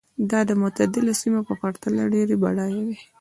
دا د معتدلو سیمو په پرتله ډېرې بډایه وې.